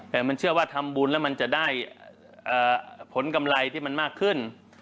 แต่มันเชื่อว่าทำบุญแล้วมันจะได้ผลกำไรที่มันมากขึ้น